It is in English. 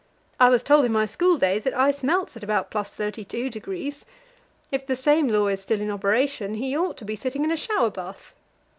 I was told in my school days that ice melts at about +32°. If the same law is still in operation, he ought to be sitting in a shower bath.